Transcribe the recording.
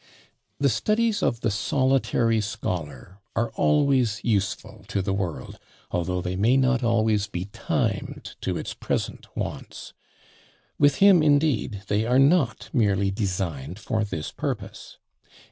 The studies of the "solitary scholar" are always useful to the world, although they may not always be timed to its present wants; with him, indeed, they are not merely designed for this purpose.